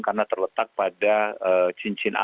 karena terletak pada cincin alam